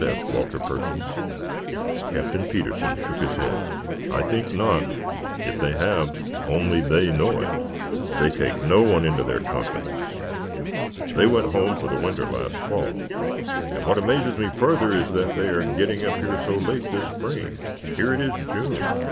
asked Walter Perkins. Captain Petersen shook his head. "I think not. If they have, only they know it. They take no one into their confidence. They went home for the winter last fall, and what amazes me further is that they are getting up here so late this spring. Here it is June.